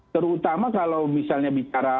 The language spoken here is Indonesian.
terutama kalau misalnya bicara